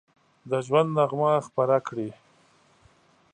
د ژوند نغمه خپره کړي